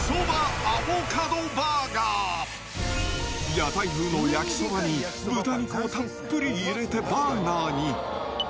屋台風の焼きそばに豚肉をたっぷり入れたバーガーに。